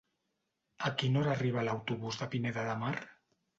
A quina hora arriba l'autobús de Pineda de Mar?